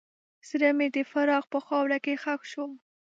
زړه مې د فراق په خاوره کې ښخ شو.